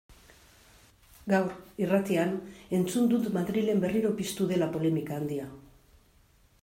Gaur, irratian, entzun dut Madrilen berriro piztu dela polemika handia.